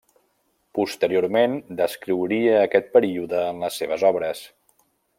Posteriorment descriuria aquest període en les seves obres.